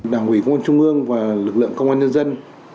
đảng ủy công an trung ương và lực lượng công an nhân dân